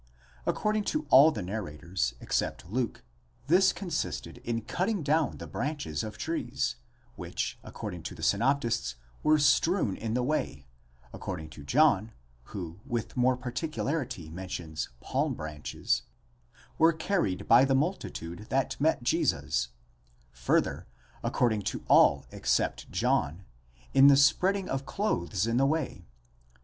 According to all the narrators except Luke, this consisted in cutting down the branches of trees, which, according to the synoptists, were strewed in the way, according to John (who with more particularity mentions palm branches), were carried by the multi tude that met Jesus; further, according to all except John, in the spreading of clothes in the way.